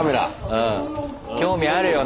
うん興味あるよな。